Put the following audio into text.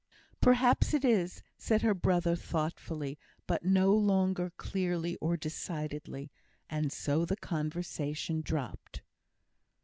"Perhaps it is," said her brother, thoughtfully, but no longer clearly or decidedly; and so the conversation dropped.